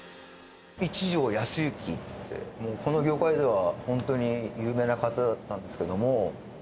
一条安雪って、もうこの業界では、本当に有名な方だったんですけども。